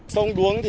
sông đuống thì